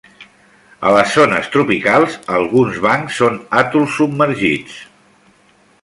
A les zones tropicals, alguns bancs són atols submergits.